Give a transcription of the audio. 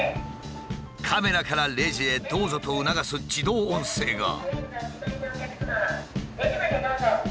カメラから「レジへどうぞ」と促す自動音声が。